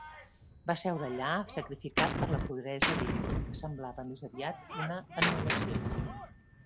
Va seure allà sacrificat per la puresa d'ella, que semblava més aviat una anul·lació.